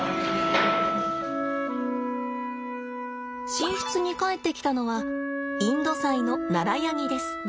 寝室に帰ってきたのはインドサイのナラヤニです。